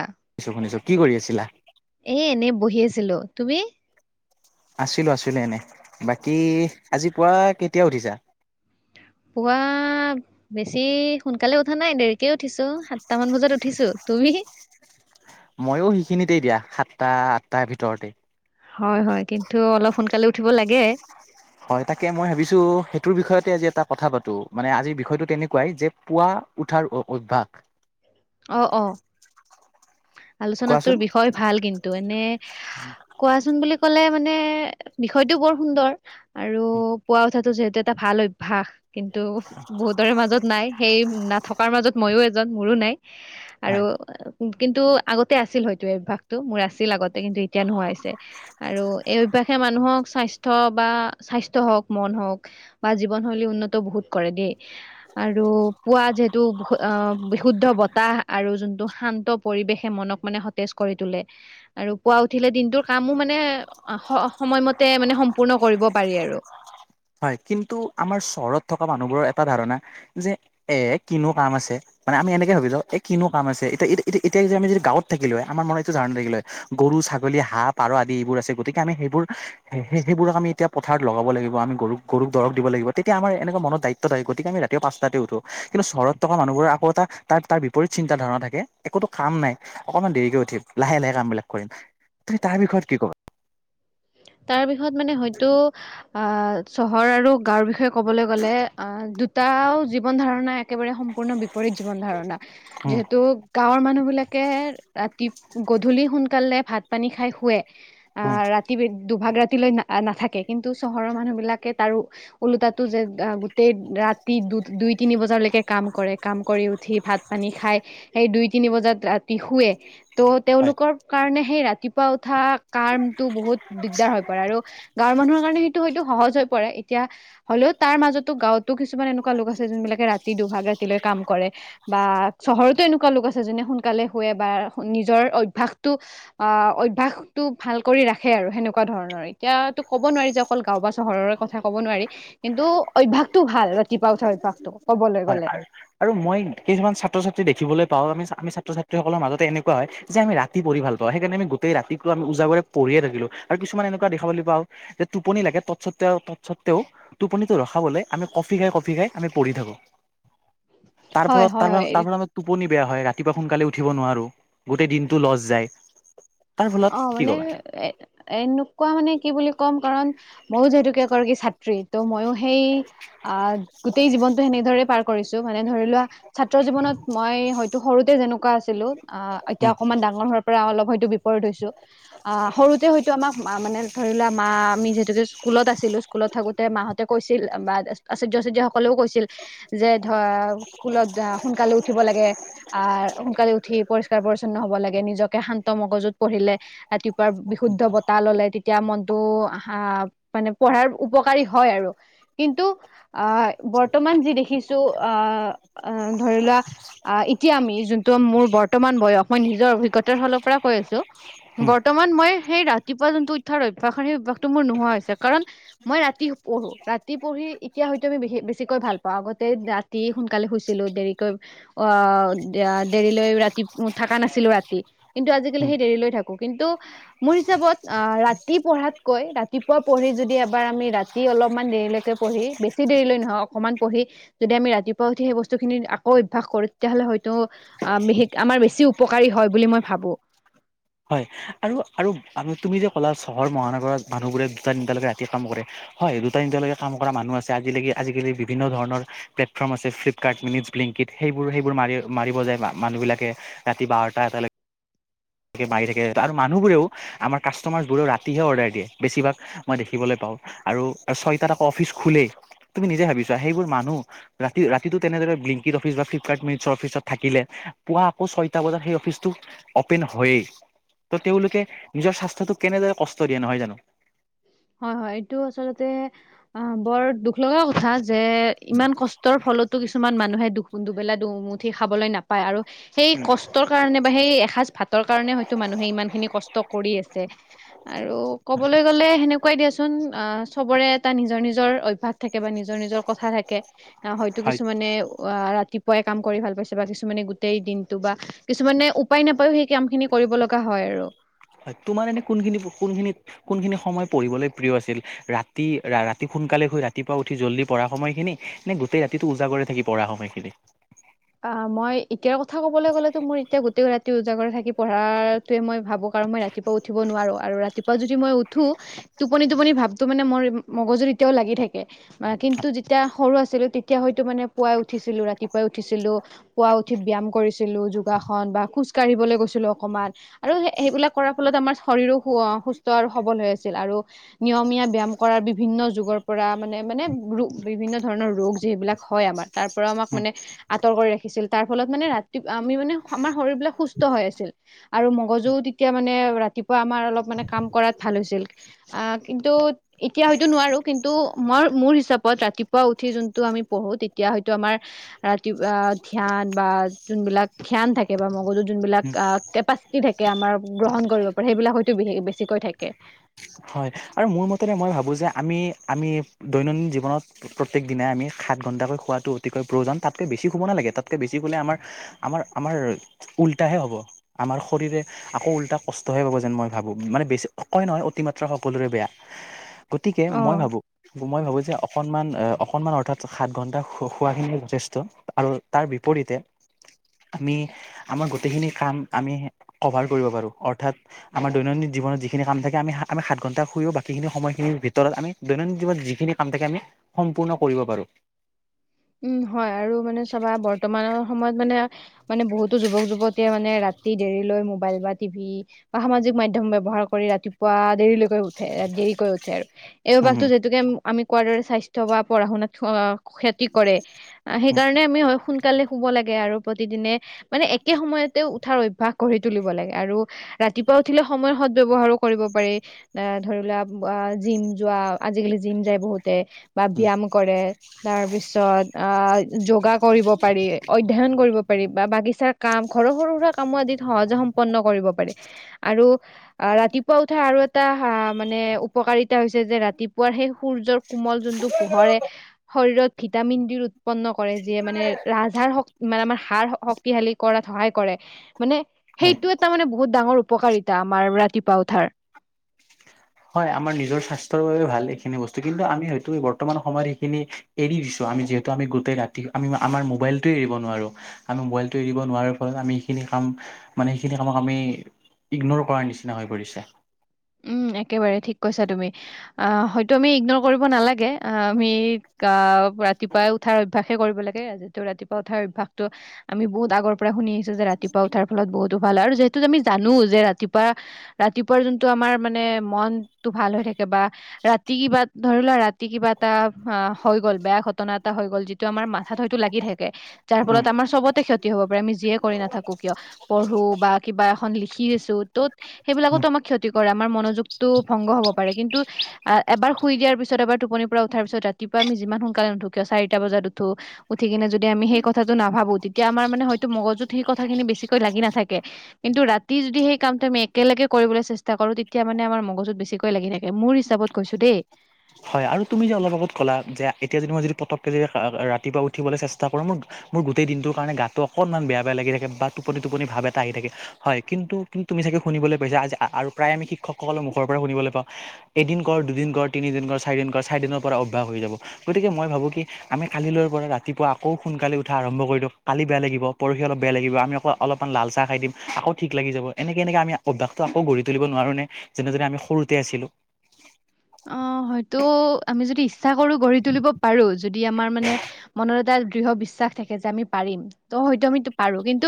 আ, শুনিছোঁ - শুনিছোঁ। কি কৰি আছিলা? এ এনে বহি আছিলোঁ। তুমি? আছিলোঁ - আছিলোঁ এনে। বাকী আজি পুৱা কেতিয়া উঠিছা? পুৱা বেছি সোনকালে উঠা নাই। দেৰিকে উঠিছোঁ। সাতটা মান বজাত উঠিছোঁ। তুমি মইয়ো সেইখিনিতেই দিয়া সাতটা আঠটাৰ ভিতৰতে। হয় হয় কিন্তু অলপ সোনকালে উঠিব লাগে- হয় তাকে মই ভাবিছো সেইটোৰ বিষয়তে আজি এটা কথা পাতো মানে আজিৰ বিষয়টো তেনেকুৱাই যে পুৱা- উঠাৰ অভ্যাস - অ অ কোৱাচোন আলোচনাটোৰ বিষয় ভাল কিন্তু এনে কোৱাচোন বুলি কলে মানে বিষয়টো বৰ সুন্দৰ আৰু পোৱা উঠাটো যিহেতু এটা ভাল অভ্যাস কিন্তু বহুতৰে মাজত নাই সেই নথকাৰ মাজত মইয়ো এজন মোৰো নাই আৰু হয়। কিন্তু আগতে আছিল হয়তো এই অভ্যাসটো মোৰ আছিল আগতে কিন্তু এতিয়া নোহোৱা হৈছে আৰু এই অভ্যাসে মানুহক স্বাস্থ্য বা স্বাস্থ্য হওক মন হওক বা জীৱনশৈলী উন্নত বহুত কৰে দেই আৰু পুৱা যিহেতুু বিহুত তাহ আৰু যোনটো শান্ত পৰিৱেশে মনক মানে সতেজ কৰি তোলে আৰু পুৱা উঠিলে দিনটোৰ কামো মানে সময়মতে মানে সম্পূৰ্ণ কৰিব পাৰি আৰু হয় কিন্তু আমাৰ চহৰত থকা মানুহবোৰৰ এটা ধাৰণা যে এ কিনো কাম আছে। মানে আমি এনেকৈ ভাবি এই কিনো কাম আছে এতিয়া এতিয়া যে আমি যদি গাঁৱত থাকিলো হয় আমাৰ মনত জাগি থাকিলে হয় গৰু গৰু ছাগলী হাঁ পাৰ আদি এইবোৰ আছে গতিকে আমি সেইবোৰ সেইবোৰক আমি এতিয়া পথাৰত লগাব লাগিব আমি গৰু গৰুক দৰপ দিব লাগিব তেতিয়া আমাৰ এনেকুৱা মনৰ দায়িত্ব থাক গতিকে আমি ৰাতিপুৱা পাঁচতাতে উঠো কিন্তু চহৰত থকা মানুহবোৰে আকৌ এটা তাৰ তাৰ বিপৰীত চিন্তা ধাৰণা থাকে একোতো কাম নাই অকণমান দেৰিকৈ উঠিম লাহে লাহে কামবিলাক কৰিম তুমি তাৰ বিষয়ত কি কবা- তাৰ বিষত মানে হয়তো আ চহৰ আৰু গাঁওৰ বিষয়ে কবলৈ গ'লে অ দুটাও জীৱন ধাৰণা একেবাৰে সম্পূৰ্ণ বি বিপৰত জীৱন ধাৰণা উম যিহেতু গাঁৱৰ মানুহ মানুহ বিলাকে ৰাতি গধূলি সোনকালে ভাত পানী খাই শুৱে উম আহ ৰা দুভাগ ৰাতিলৈ নাথাকে কিন্তু চহৰৰ মানুহ বিলাকে তাৰো ওলোতো যে গোটেই ৰাতি দু দুই তিনি বজালৈকে কাম কৰে কাম কৰি উঠি ভাত পানী খাই সেই দুই তিনি বজাত ৰাতি শুৱে ত' হয় তেওঁলোকৰ কাৰণে সেই ৰাতিপুৱা উঠা কামটো বহুত দিগদাৰ হৈ পৰে আৰু গাঁৱৰ মানুহৰ কাৰণে সেইটো হয়তো সহজ হয় প এতিয়া হলেও তাৰ মাজতো গাঁৱতো কিছুমান এনেকুৱা লোক আছে যোন বিলাকে ৰাতি দুভাগ ৰাতিলৈ কাম কৰে বা চহৰতো এনেকুৱা লোক আছে যেনে সোনকালে শুৱে বা নিজৰ অভ্যাসটো অভ্যাসটো ভাল কৰি ৰাখ সেই আৰু সেনেকুৱা ধৰণৰ এতিয়াতো ক'ব নোৱাৰি যে অকল গাঁও বা চহৰৰ কথা ক'ব নোৱাৰি কিন্তু অভ্যাস হয় গ'লে আৰু আৰু মই কিছুমান ছাত্ৰ ছাত্ৰী দেখিবলৈ পাও আমি ছাত ছাত্ৰীসকলৰ মাজতে এনেকুৱা হয় যে আমি ৰাতি পঢ়ি ভাল পাওঁ সেইকাৰণে আমি গোটেই ৰাতিটো আমি উজাগৰে পঢ়ি - শুয়ে থাকিলো আৰু কিছুমান এনেকোৱা দেখাবলৈ পাও যে টোপনি লাগে তৎসত্ত্বেও তৎস্বত্ত্বেও টোপনিটো ৰখাবলৈ আমি কফি খাই কফি খাই আমি পঢ়ি থাকো তাৰ হয় ফলত হয় তাৰপা হয় তাৰপৰা আমি টোপনি বেয়া হয় ৰাতিপুৱা সোনকালে উঠিব নোৱাৰো গোটেই দিনটো লছ যায়। তাৰ ফলত অ কি মানে ক'বা এ এনেকুৱা মানে কি বুলি কম কাৰণ- মইও যিহেতুকে এগৰাকী ছাত্ৰী ত' ময়ো সেই আ গোটেই জীৱনতটো সেনেদৰে পাৰ কৰিছো মানে ধৰি লোৱা- ছাত্ৰ জীৱনত মই হয়তো সৰুতে যেনেকুৱা আছিলো আহ এতিয়া অকমান ডাঙৰ হোৱাৰ পৰা অলপ হয়তো- হৈছো আহ সৰুতে হয়তো আমাক মানে ধৰি লোৱা মা আমি যিহেতুকে স্কুলত আছিলো স্কুলত থাকোতে মাহঁতে কৈছে আচুয্য আচুয্য সকলেও কৈছিল যে ধৰ স্কুলত জা সোনকালে উঠ উঠিব লাগে আহ সোনকালে উঠি পৰিষ্কাৰ পৰিচ্ছন্ন হ'ব লাগে নিজকে শান্ত মগজুত- পঢ়িলে ৰাতিপুৱা বিশুদ্ধ বতাহ ল'লে - এতিয়া মনটো আহ মানে পঢ়াৰ উপকাৰী হয় আৰু কিন্তু আহ- বৰ্তমান যি দেখিছো অ অ ধৰি লোৱা এতিয়া আমি যোনটো মোৰ বত বৰ্তমান বয়স মই নিজৰ অভিজ্ঞতাৰ ফালৰ পৰা কৈ আছো বৰ্তমান মই হেই ৰা ৰাতিপুৱা যোনটো উঠাৰ অভ্যাস সেই অভ্যাসটো মোৰ নোহোৱা হৈছে কাৰণ মই ৰাতি পঢ়ো ৰাতি পঢ়ি এতিয়া হয়তো আমি বেছিকৈ ভাল পাওঁ আগতে ৰাতি সোনকালে শুইছিলো দেৰিকৈ অ দেৰিলৈ ৰাতি উ থকা নাছিলো ৰাতি কিন্তু আজিকালি সেই ডেৰিলৈ থাকো, কিন্তু মোৰ হিচাপত ৰাতি পঢ়াতকৈ ৰাতিপুৱা পঢ়ি যদি এবাৰ আমি আমি ৰাতি অলপমান দেৰিলৈকে পঢ়ি বেছি দেৰিলৈ নহয় অকনমান পঢ়ি যদি আমি ৰাতিপুৱা উঠি সেই বস্তুখিনি আকৌ অভ্যাস কৰো তেতিয়াহলে হয়তো আমি আমাৰ বেছি উপকাৰী হয় বুলি মই ভাবো। হয় আৰু- আৰু তুমি যে ক'লা চহৰ মহানগৰত মানুহবোৰে দুটা, তিনটালৈকে ৰাতিকাম কৰে হয়, দুটা - তিন্তলৈকে কাম কৰা মানুহ আছে আজিলেগী -আজিকালি বিভিন্ন ধৰণৰ প্লেটফৰ্ম আছে ফ্লিপকাৰ্ট মিনিত ব্লিংকিট সেইবোৰ- সেইবোৰ মাৰি মাৰিব যায় মানুহ বিলাকে ৰাতি বাৰটা এটালে কে মাৰি থাকে আৰু মানুহবোৰেও আমাৰ কাষ্টমাৰ্চবোৰেও ৰাতিহে অৰ্ডাৰ দিয়ে, বেছিভাগ মই দেখিবলৈ পাওঁ। আৰু ছয়টাত আকৌ অফিচ খোলেই তুমি নিজে ভাবিছোৱা সেইবোৰ মানুহ ৰাতি ৰাতিটো তেনেদৰে ব্লিংকিত অফিচ বা ফ্লিপকাৰ্ত অফিচ ত থাকিলে পোৱা আকৌ ছয় তা বজাত সেই অফিচ টো অ অপেন হয়েই ত তেওঁলোকে নিজৰ স্বাস্থ্যটোক কেনেদৰে কষ্ট দিয়ে নহয় জানো? হয় হয় এইটো আচলতে অ বৰ দুখ লগা কথা যে ইমান কষ্টৰ ফলতো কিছুমান মানুহে দুখ দুখ দুবেলা দুমুঠি খাবলৈ নাপায় আৰু সেই কষ্টৰ কাৰণে বা সেই এসাঁজ ভাতৰ কাৰণে হয়তো মানুহে ইমান খিনি কষ্ট কৰি আছে। আৰু কবলৈ গ'লে সেনেকোৱাই দিয়াচোন আহ চবৰে এটা নিজৰ নিজৰ অভ্যাস থাকে বা নিজৰ -নিজৰ কথা থাকে অহ হয়তো কিছুমানে ৱা ৰাতিপুৱাই কাম কৰি ভাল পাইছে বা কিছুমানে গোটেই দিনটো বা কিছুমানে উপায় নাপায়ও সেই কাম খিনি কৰিব লগা হয় আৰু হয় তোমাৰ এনে কোনখিনি কোনখিনি কোনখিনি সময় পঢ়িবলৈ প্ৰিয় আছিল ৰাতি ৰাতি সোনকালে গৈ ৰাতিপুৱা উঠি জল্দি পঢ়া সময়খিনি নে গোটেই ৰাতিটো ওজাগৰি থাকি পঢ়া সময়খিনি অ', মই এতিয়াৰ কথা কবলৈ গ'লেতো মোৰ এতিয়া গোটেই ৰাতি উওজাগৰ থাকি পঢ়াৱে মই ভাবো। কাৰণ মই ৰাতিপুৱা উঠিব নোৱাৰোৱা। আৰু ৰাতিপুৱা যদি মই উঠো টোপনি -টোপনি ভাবটো মানে মোৰ মগজুত এতিয়াও লাগি থাকে। অ কিন্তু যেতিয়া সৰু আছিলো তেতিয়া হয়তো মানে পুৱাই উঠিছিলো ৰাতিপুৱাই উঠিছিলো পুৱা উঠি ব্যায়াম কৰিছিলো যোগাসন বা খোজ কাঢ়িবলৈ গৈছিলো অকমান আৰু সেইবিলাক কৰাৰ ফলত আমাৰ শৰীৰো সুস্থ আৰু সবল হৈ আছিল আৰু নিয়মীয়া ব্যায়াম কৰাৰ বিভিন্ন ন যুগৰ পৰা মানে -মানে ৰো বিভিন্ন ধৰণৰ ৰোগ যিবিলাক হয় আমাৰ তাৰ পৰা আমাক মানে আঁতৰ কৰি ৰাখিছিল তাৰ ফলত মানে ৰাতি আমি মানে আমাৰ শৰীৰ বিলাক সুস্থ হৈ আছিল আৰু মগজু এতিয়া মানে ৰাতিপুৱা আমাৰ অলপ মানে কাম কৰাত ভাল হৈছিল কিন্তু এতিয়া হয়তো নোৱাৰি আৰু কিন্তু মই মোৰ হিচাপত ৰাতিপুৱা উঠি জোনটো আমি পৰহো তেতিয়া হয়টো আমাৰ ধ্যান বা যোনবিলাক ধ্যান থাকে বা মগজুৰ যোনবিলাক কেপাচিটি থাকে আমাৰ আৰু গ্ৰহণ কৰিব পাৰে সেইবিলাক হয়তো বেছিকৈ থাকে। হয়। আৰু মোৰ মতে মই ভাবোঁ যে আমি আমি দৈনন্দিন জীৱনত প্ৰত্যেক দিনাই আমি সাত ঘণ্টা খোৱাটো অতিকৈ প্ৰয়োজন তাতকৈ বেছি শুব নালাগে তাতকৈ বেছি শুলে আম আমাৰ আমাৰ উলটাহে হ'ব আমাৰ শৰীৰে আকৌ উল্টা কষ্টহে পাব যেন মই ভাবো মানে বেছি কয় নহয় অতিমাত্ৰা শ সকলোৰে বেয়া গতিকে অ মই ভাবোঁ মই ভাবোঁ যে অকণমান অকণমান অৰ্থাৎ সাত ঘণ্টা শোৱাখিনিয়ে যথেষ্ট আৰু তাৰ বিপৰীতে আমি আমাৰ গোটেইখিনি কাম আমি কভাৰ কৰিব পাৰো অৰ্থাৎ আমাৰ দৈনন্দিন জীৱনত যিখিনি কাম থাকে আমি আমি সাত আঠ ঘণ্টা শুইও বাকীখিনি সময়খিনিৰ ভিতৰত আমি দৈনন্দিন জীৱনত যিখিনি কাম থাকে আমি সম্পূৰ্ণ কৰিব পাৰোঁ উম হয় আৰু মানে চাবা বৰ্তমানৰ সময়ত মানে মানে বহুতো যুৱক যুৱতীয়ে মানে ৰাতি দেৰিলৈ মবাইল বা টিভি বা সামাজিক মাধ্যম ব্যৱহাৰ কৰি ৰাতিপুৱা দেৰিলৈকে উঠে এ দেৰিকৈ উঠে আৰু এইবাসটো যিহেতুকে আমি কোৱাৰ দৰে স্বাস্থ্য বা পঢ়া শুনাত ক্ষতি কৰে সেইকাৰণে আমি হয় সোন সোনকালে শুব লাগে আৰু প্ৰতিদিনে মানে একে সময়তে উঠাৰ অভ্যাস কৰি তুলিব লাগে আৰু ৰাতিপুৱা উঠিলে সময় সত ব্যৱহাৰো কৰিব পাৰি অ ধৰিলা জিম যোৱা আজিকালি জিম যায় বহুতে বা ব্যায়াম কৰে তাৰ তাৰ পিছত আ যোগা কৰিব পাৰি, অধ্যয়ন কৰিব পাৰিবা বাগিচাৰ কাম সৰু সৰু সুৰা কামো আদিত সহজে সম্পন্ন কৰিব পাৰে আৰু- ৰাতিপুৱা উঠা আৰু এটা মানে উপকাৰিতা হৈছে যে ৰাতিপুৱাৰ সেই সূৰ্যৰ কোমল যোনটো পোহৰে শৰীৰত ভিটামিন ডি উৎপন্ন কৰে যিয়ে মানে ৰাজহাড়ৰ শক্ত- মানে আমাৰ হাড় শক্তিশালী কৰাত সহায় কৰে মানে হয় সেইটো এটা মানে বহুত ডাঙৰ- উপকাৰিতা আমাৰ ৰাতিপুৱা উঠাৰ হয় আমাৰ নিজৰ স্বাস্থ্যৰ বাবে ভাল এইখিনি বস্তু কিন্তু আমি হয়তো বৰ্তমান সময়ত সেইখিনি এৰি দিছোঁ আৰু- আমি যিহেতু আমি গোটেই ৰাতি আমি আমাৰ মোবাইলটো এৰিব নোৱাৰো। আমি মোবাইলটো এৰি নোৱাৰাৰ ফলত আমি এইখিনি- কাম মানে সেইখিনি কামক আমি ইগনৰ কৰাৰ নিচিনা হৈ পৰিছে। উম একেবাৰে ঠিক কৈছা তুমি আহ হয়তো আমি ইগনৰ কৰিব নালাগে আমি কা ৰাতিপুৱাই উঠাৰ অভ্যাসে কৰিব লাগে যিটো ৰাতিপুৱা উঠাৰ অভ্যাসত আমি বহুত আগৰ পৰা শুনি আহিছো যে ৰাতিপুৱা উঠাৰ ফলত বহুত ভাল আৰু যিহেতু আমি জানো যে ৰাতিপুৱা, ৰাতিপুৱাৰ যোনটো আমাৰ মানে মনটো ভাল হৈ থাকে, বা ৰাতি কিবা ধৰি লোৱা ৰাতি কিবা এটা হৈ গ'ল বেয়া ঘটনা এটা হৈ গ'ল যিটো আমাৰ মাথাত হয়তো লাগি থাকে যাৰ উম ফলত আমাৰ চবতে ক্ষতি হব পাৰে আমি যিয়ে কৰি নাথাকোঁ কিয় পঢ়ো বা কিবা এখন লিখি আছোঁ ত'ত সেইবিলাকতো আমাক ক্ষতি কৰে আমাৰ মনোযোগটো ভংগ হ'ব পাৰে। কিন্তু আ এবাৰ শুই দিয়াৰ পিছত, এবাৰ টোপনিৰ পৰা উঠাৰ পিছত ৰাতিপুৱা আমি যিমান সোনকালে নুঠো কিয় চাৰিটা বজাত উঠো, উঠি কিনে যদি আমি সেই কথাটো নাভাবো, তেতিয়া আমাৰ মানে হয়তো মগজুত সেই কথাখিনি বেছিকৈ লাগি নাথাকে। কিন্তু ৰাতি যদি সেই কামটো আমি একেলগে কৰিবলৈ চেষ্টা চেষ্টা কৰো তেতিয়া মানে আমাৰ মগজুত বেছিকৈ লাগি থাকে মোৰ হিচাপত কৈছো দেই। হয় আৰু তুমি যে অলপ আগত ক'লা যে এতিয়া যে তোমাৰ যদি পতকে যদি ৰাতিপুৱা উঠিবলৈ চেষ্টা কৰো মোৰ মোৰ গোটেই দিনটোৰ কাৰণে গাতটো অকণমান বেয়া বেয়া লাগি থাকে বা টোপনি টোপনি ভাৱ এটা আহি থাকে হয় কিন্তু কিন্তু তুমি চাগে শুনলৈ পাইছা আজি আৰু প্ৰায় আমি শিক্ষকসকলৰ মুখৰ পৰা শুনিবলৈ [unintelligible] এদিন কৰ, দুদিন কৰ, তিনিদিন কৰ। চাৰিদিন কৰা চাৰি দিনৰ পৰা অভ্যাস হৈ যাব। গতিকে মই ভাবোঁ কি, আমি কালিলৈ পৰা ৰাতিপুৱা আকৌ সোনকালে উঠা। আৰম্ভ দিওঁ কালি বেয়া লাগিব পৰহি অলপ বেয়া লাগিব আমি আকৌ অলপমান লাল চাহ খাই দিম আকৌ ঠিক লাগি যাব এনেক এনেকে আমি অভ্যাসটো আকৌ গঢ়ি তুলিব নোৱাৰো নে যেনেদৰে আমি সৰুতে আছিলো? অ হয়তো আমি যদি ইচ্ছা কৰো গঢ়ি তুলিব পাৰো। যদি আমাৰ মানে মনত এটা দৃঢ় বিশ্বাস থাকে, যে আমি পাৰিম ত হয়তো আমি। পাৰো কিন্তু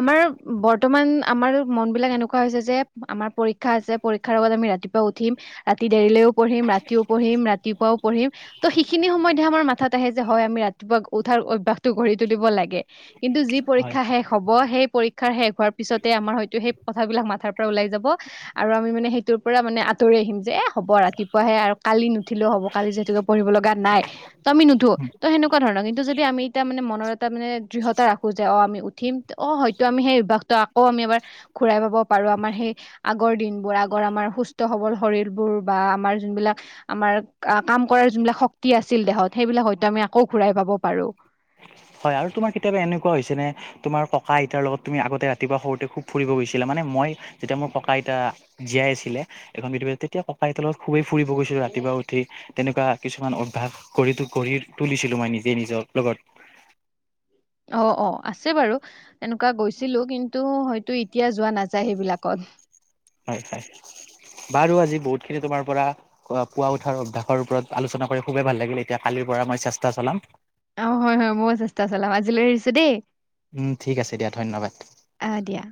আমাৰ বৰ্তমান আমাৰ মন বিলাক এনেকুৱা হৈছে যে আমাৰ পৰীক্ষা আছে পৰীক্ষাৰ লগত আমি ৰাতিপুৱা উঠিম ৰাতি দেৰিলেও পঢ়িম ৰাতিও পঢ়িম ৰাতিপুৱাও পঢ়িম ত' সেইখিনি সময়তহে আমাৰ মাথাত আহে যে হয় আমি ৰাতিপুৱা উঠাৰ অভ্যাসটো গঢ়ি তুলিব লাগে কিন্তু যি হয় পৰীক্ষা শেষ হ'ব সেই পৰীক্ষাৰ শেষ হোৱাৰ পিছতে আমাৰ হয়তো সেই কথাবিলাক মাথাৰ পৰা ওলাই যাব, আৰু আমি মানে সেইটোৰ পৰা মানে। আঁতৰি আহিম যে, এ। হ'ব ৰাতিপুৱাহে আৰু কালি নুঠিলেও হ'ব কালি যিহেতুকে পঢ়িব লগাই ত আমি নুঠো ত সেনেকুৱা ধৰণৰ। কিন্তু যদি আমি এতিয়া মানে মনত। তাৰ মানে দৃঢ়তা ৰাখো যে অ আমি উঠিম অ হয়তো আমি সেই অভ্যাসটো আকৌ আমি এবাৰ ঘূৰাই পাব আৰু আমাৰ সেই আগৰ দিনবোৰ, আগৰ আমাৰ সুস্থ-সবল শৰীৰবোৰ? বা আমাৰ যোনবিলাক আমাৰ কাম কৰা যোনবিলাক শক্তি আছিল দেহত সেইবিলাক হয়তো আমি আকৌ ঘুৰাই পাম। হ'ব পাৰু। হয় আৰু তোমাৰ কেতিয়াবা এনেকুৱা হৈছে নে তোমাৰ ককা -আইতাৰ লগত তুমি আগতে ৰাতি পোৱা সৰুতে খুব ফুৰিব গৈছিলা, মানে। মই যেতিয়া মোৰ ককা-আইতা জীয়াই আছিলে এখন পৃথিৱীত তেতিয়া ককা- আইতাৰ লগত খুবেই ফুৰিব গৈছিলো। ৰাতিপুৱা। উঠি তেনেকুৱা কিছুমান অভ্যাস কৰি গঢ়ি তুলিছিলোঁ মই নিজে নিজৰ লগত। অ অ আছে বাৰু এনেকুৱা গৈছিলো কিন্তু হয়তো এতিয়া যোৱা নাযায় সেইবিলাকত। [inaudible] হয় হয়। বাৰু আজি বহুতখিনি তোমাৰ পৰা পুৱা উঠাৰ অভ্যাসৰ ওপৰত আলোচনা কৰি খুবেই ভাল লাগিল, এতিয়া কালিৰ। পৰা মই চেষ্টা চলাম। অ' হয় হয় ময়ো চেষ্টা চলাম আজিলৈ আহিছো দেই। উম ঠিক আছে দিয়া ধন্যবাদ। আহ দিয়া